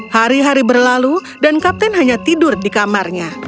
hari hari berlalu dan kapten hanya tidur di kamarnya